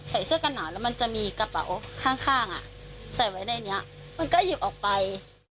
เสื้อกันหนาวแล้วมันจะมีกระเป๋าข้างใส่ไว้ในนี้มันก็หยิบออกไป